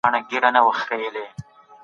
اميدوارې مورې، ستونزه پټه مه ساته